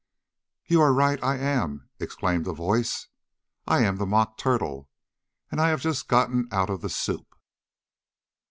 "You are right I am!" exclaimed a voice. "I am the Mock Turtle and I have just gotten out of the soup."